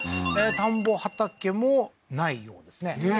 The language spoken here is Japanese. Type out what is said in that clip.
田んぼ畑も無いようですねねえ